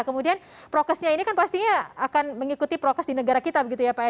kemudian prokesnya ini kan pastinya akan mengikuti prokes di negara kita begitu ya pak ya